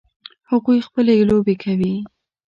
هغوی خپلې لوبې کوي